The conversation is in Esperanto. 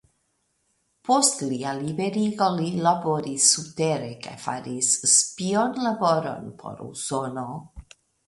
Post lia liberigo li laboris subtere kaj faris spionlaboron por Usono.